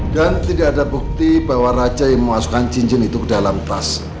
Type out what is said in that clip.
dan tidak ada bukti bahwa raja yang memasukkan cincin itu ke dalam tas